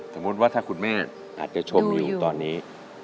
สมมุติว่าถ้าคุณแม่อาจจะชมอยู่ตอนนี้